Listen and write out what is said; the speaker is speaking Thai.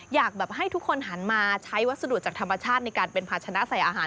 อยากแบบให้ทุกคนหันมาใช้วัสดุจากธรรมชาติในการเป็นภาชนะใส่อาหาร